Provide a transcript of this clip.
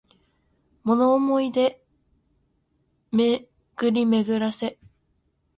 想おもい出で巡めぐらせ